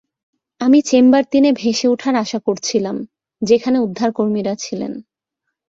আমি চেম্বার তিনে ভেসে উঠার আশা করছিলাম, যেখানে উদ্ধারকর্মীরা ছিলেন।